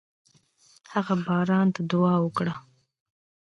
هغه باران ته دعا وکړه.